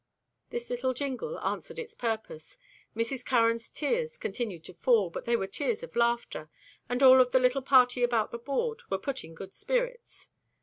This little jingle answered its purpose. Mrs. Curran's tears continued to fall, but they were tears of laughter, and all of the little party about the board were put in good spirits.